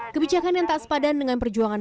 kebijakan yang tak sepadan dengan perjuangan